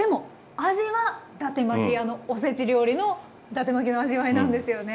あのおせち料理のだて巻きの味わいなんですよね。